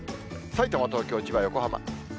さいたま、東京、千葉、横浜。